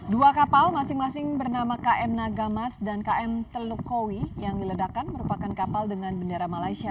dua kapal masing masing bernama km nagamas dan km teluk kowi yang diledakan merupakan kapal dengan bendera malaysia